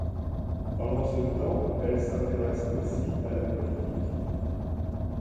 Pendant ce temps, elle s'intéresse aussi à la politique.